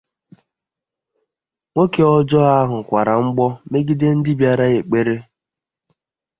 Nwoke ọjọọ ahụ kwara mgbọ megide ndị bịara ekpere